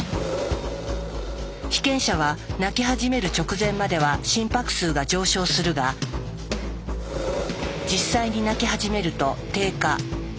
被験者は泣き始める直前までは心拍数が上昇するが実際に泣き始めると低下。